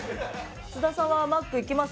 津田さんはマック行きます？